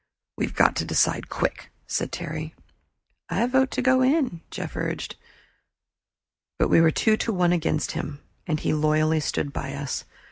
"We've got to decide quick," said Terry. "I vote to go in," Jeff urged. But we were two to one against him and he loyally stood by us.